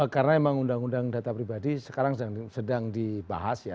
karena memang undang undang data pribadi sekarang sedang dibahas ya